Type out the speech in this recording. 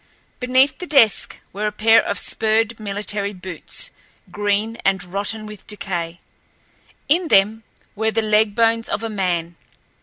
Beneath the desk were a pair of spurred military boots, green and rotten with decay. In them were the leg bones of a man.